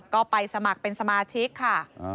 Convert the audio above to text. ก็ไปสมัครเป็นสมาชิกค่ะ